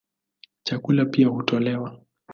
Chakula pia hutolewa.